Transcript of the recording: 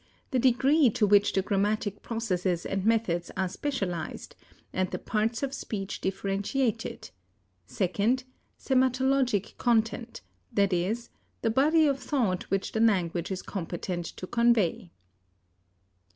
_, the degree to which the grammatic processes and methods are specialized, and the parts of speech differentiated; second, sematologic content, that is, the body of thought which the language is competent to convey.